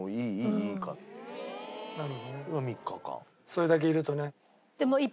それだけいるとね。